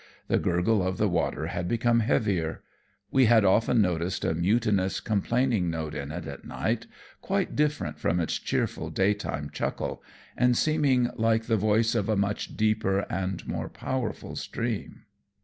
The gurgle of the water had become heavier. We had often noticed a mutinous, complaining note in it at night, quite different from its cheerful daytime chuckle, and seeming like the voice of a much deeper and more powerful stream.